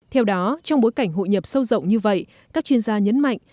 theo đó trong bối cảnh hội nhập sâu rộng như vậy các chuyên gia nhấn mạnh